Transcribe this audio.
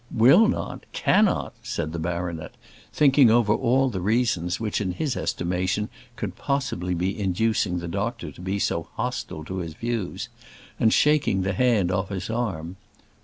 "Will not! cannot!" said the baronet, thinking over all the reasons which in his estimation could possibly be inducing the doctor to be so hostile to his views, and shaking the hand off his arm.